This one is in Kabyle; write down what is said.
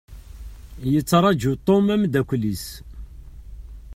Yettraju Tom ameddakel-is.